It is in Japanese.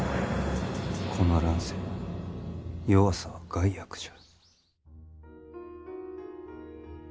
この乱世弱さは害悪じゃ。